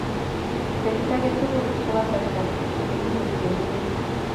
petut age tugul ko kasarta ne kinetigei nelel